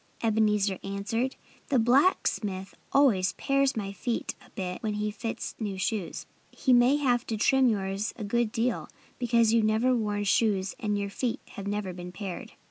Ebenezer answered. "The blacksmith always pares my feet a bit when he fits new shoes. He may have to trim yours a good deal, because you've never worn shoes and your feet have never been pared."